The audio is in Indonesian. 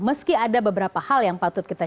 meski ada beberapa hal yang patut kita